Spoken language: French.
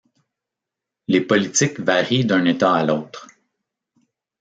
Les politiques varient d'un état à l'autre.